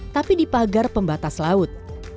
tapi di pagar pembatas laut